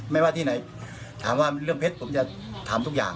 ไม่ว่าที่ไหนถามว่าเรื่องเพชรผมจะทำทุกอย่าง